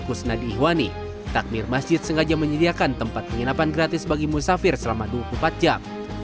kusnadi ihwani takmir masjid sengaja menyediakan tempat penginapan gratis bagi musafir selama dua puluh empat jam